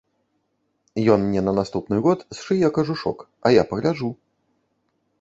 Ён мне на наступны год сшые кажушок, а я пагляджу.